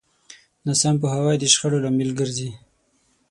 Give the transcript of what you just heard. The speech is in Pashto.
ناسم پوهاوی د شخړو لامل ګرځي.